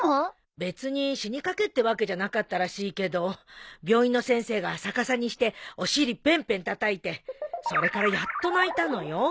別に死にかけってわけじゃなかったらしいけど病院の先生が逆さにしてお尻ペンペンたたいてそれからやっと泣いたのよ。